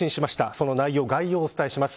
その内容、概要をお伝えします。